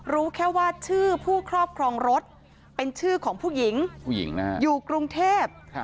รู้แค่ว่าชื่อผู้ครอบครองรถเป็นชื่อของผู้หญิงผู้หญิงอยู่กรุงเทพ